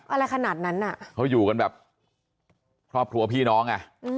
อะไรขนาดนั้นอ่ะเขาอยู่กันแบบครอบครัวพี่น้องอ่ะ